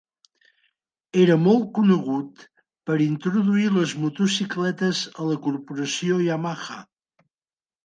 Era molt conegut per introduir les motocicletes a la corporació Yamaha.